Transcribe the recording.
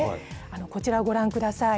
こちらをご覧ください。